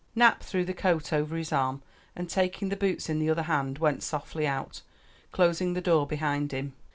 Nap threw the coat over his arm, and taking the boots in the other hand went softly out, closing the door behind him.